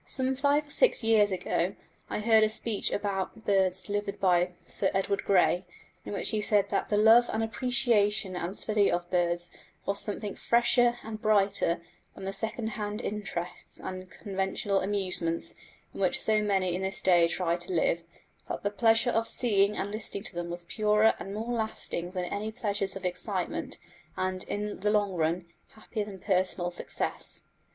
Some five or six years ago I heard a speech about birds delivered by Sir Edward Grey, in which he said that the love and appreciation and study of birds was something fresher and brighter than the second hand interests and conventional amusements in which so many in this day try to live; that the pleasure of seeing and listening to them was purer and more lasting than any pleasures of excitement, and, in the long run, "happier than personal success."